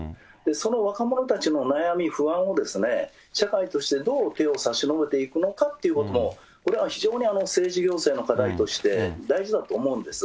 その若者たちの悩み、不安を社会としてどう手を差し伸べていくのかということ、これは非常に政治行政の課題として、大事だと思うんです。